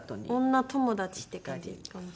女友達って感じかも。